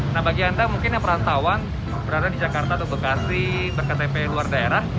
nah bagi anda mungkin yang perantauan berada di jakarta atau bekasi berktp luar daerah